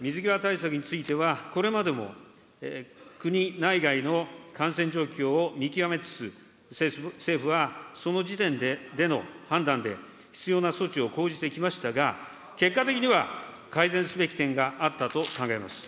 水際対策については、これまでも国内外の感染状況を見極めつつ、政府はその時点での判断で、必要な措置を講じてきましたが、結果的には改善すべき点があったと考えます。